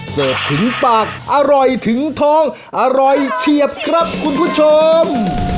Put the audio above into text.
เสิร์ฟถึงปากอร่อยถึงท้องอร่อยเฉียบครับคุณผู้ชม